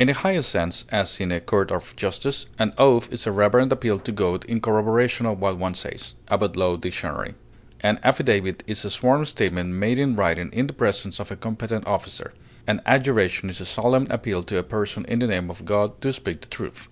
In the highest sense, as in a court of justice, "an oath is a reverent appeal to God in corroboration of what one says," ABBOTT Law Dict.; an affidavit is a sworn statement made in writing in the presence of a competent officer; an adjuration is a solemn appeal to a person in the name of God to speak the truth.